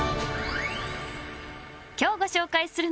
［今日ご紹介するのは］